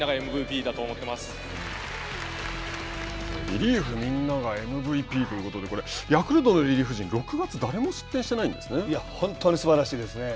リリーフみんながＭＶＰということでヤクルトのリリーフ陣本当にすばらしいですね。